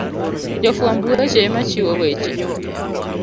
Jofwamb weche ema chiwo weche